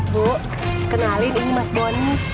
bu kenalin ini mas bonny